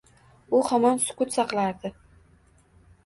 U hamon sukut saklardi